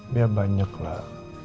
banyak banyak lah